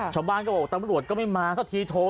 ชาวบ้านก็บอกตำรวจก็ไม่มาสักทีโทร